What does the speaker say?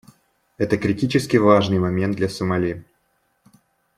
Это критически важный момент для Сомали.